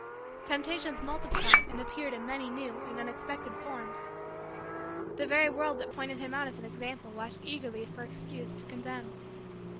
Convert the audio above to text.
Temptations multiplied and appeared in many new and unexpected forms. The very world that pointed him out as an example watched eagerly for excuse to condemn.